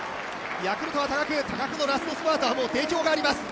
ヤクルトは高久、高久のラストスパートは定評があります。